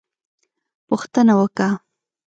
_پوښتنه وکه!